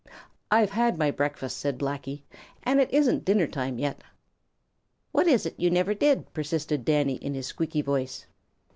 "I've had my breakfast," said Blacky, "and it isn't dinner time yet." "What is it you never did?" persisted Danny, in his squeaky voice.